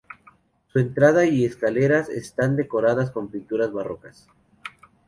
Su entrada y escaleras están decoradas con pinturas barrocas.